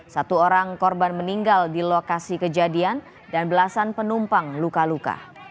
satu orang korban meninggal di lokasi kejadian dan belasan penumpang luka luka